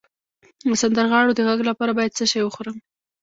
د سندرغاړو د غږ لپاره باید څه شی وخورم؟